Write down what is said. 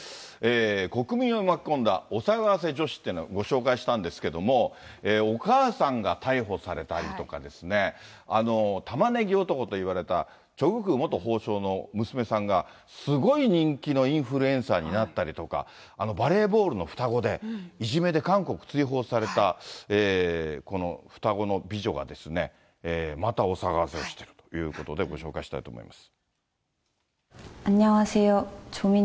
国民を巻き込んだお騒がせ女子というのをご紹介したんですけれども、お母さんが逮捕されたりとかですね、玉ねぎ男と言われたチョ・グク元法相の娘さんが、すごい人気のインフルエンサーになったりとか、バレーボールの双子でいじめで韓国追放されたこの双子の美女がですね、またお騒がせをしているということでご紹介したいと思います。